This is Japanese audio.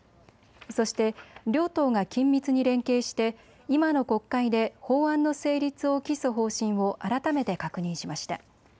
そして両党が緊密に連携して今の国会で法案の成立を期す方針を改めて確認しました。